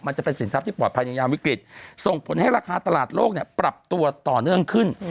มันจะเป็นสินทรัพย์ปลอดภัยในยามวิกฤตส่งผลให้ราคาตลาดโลกเนี่ยปรับตัวต่อเนื่องขึ้น